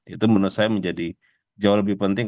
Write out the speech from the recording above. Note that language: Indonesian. itu menurut saya menjadi jauh lebih penting